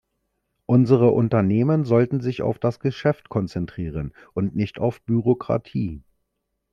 Unsere Unternehmen sollten sich auf das Geschäft konzentrieren und nicht auf Bürokratie.